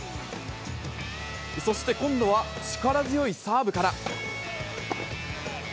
そして今度は、力強いサーブから。